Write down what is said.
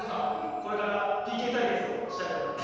これからＰＫたいけつをしたいとおもいます。